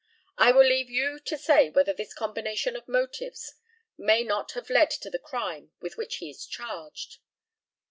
I will leave you to say whether this combination of motives may not have led to the crime with which he is charged.